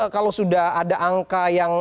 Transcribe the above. kalau sudah ada angka yang